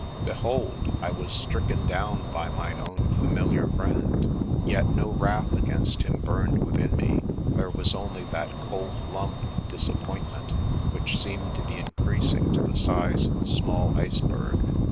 Behold, I was stricken down by mine own familiar friend; yet no wrath against him burned within me; there was only that cold lump of dis appointment, which seemed to be increasing to the size of a small iceberg.